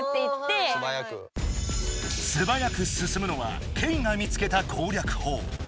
すばやく進むのはケイが見つけたこうりゃくほう。